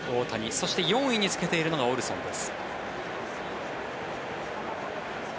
そして４位につけているのがオルソンです。